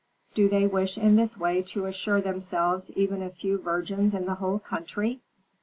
Do they wish in this way to assure themselves even a few virgins in the whole country?"